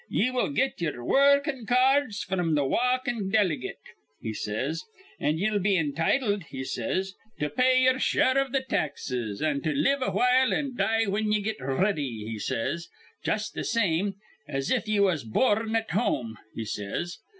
'Ye will get ye'er wur rkin cards fr'm th' walkin' diligate,' he says; 'an' ye'll be entitled,' he says, 'to pay ye'er share iv th' taxes an' to live awhile an' die whin ye get r ready,' he says, 'jus' th' same as if ye was bor rn at home,' he says.